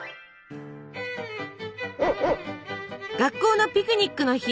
学校のピクニックの日。